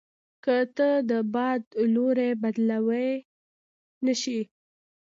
که ته د باد لوری بدلوای نه شې.